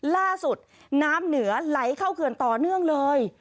น้ำเหนือไหลเข้าเขื่อนต่อเนื่องเลย